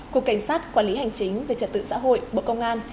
cục cảnh sát quản lý hành chính về trật tự xã hội bộ công an